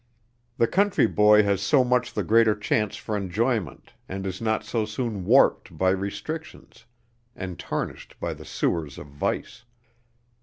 The country boy has so much the greater chance for enjoyment and is not so soon warped by restrictions and tarnished by the sewers of vice.